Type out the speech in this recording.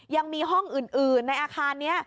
ยังมีห้องอื่นในอาคารนี้